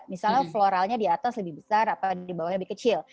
misalnya floralnya di atas lebih besar atau di bawahnya lebih kecil